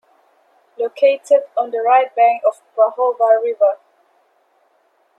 Located on the right bank of Prahova River.